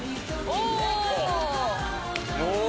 お！